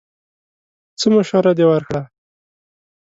څه مشوره دې ورکړه!